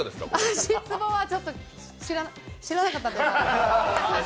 足つぼは知らなかったんで。